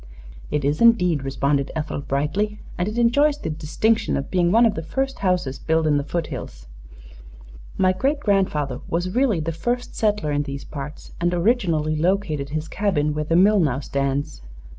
"It is, indeed," responded Ethel, brightly, "and it enjoys the distinction of being one of the first houses built in the foothills. My great grandfather was really the first settler in these parts and originally located his cabin where the mill now stands.